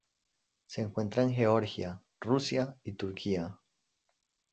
Se encuentra en Georgia, Rusia y Turquía.